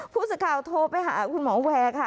ผู้สื่อข่าวโทรไปหาคุณหมอแวร์ค่ะ